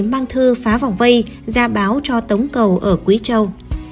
mang thư phá vòng vây ra báo cho tống cầu ở quý châu